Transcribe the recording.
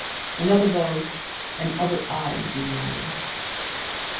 Another voice and other eyes in mine!